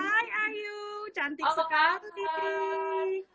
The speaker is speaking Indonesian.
hai ayu cantik sekali pritri